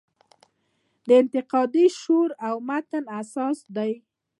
د انتقادي شعور و متن اساس دی.